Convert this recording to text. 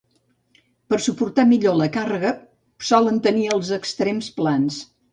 Per a suportar millor la càrrega solen tenir els extrems plans.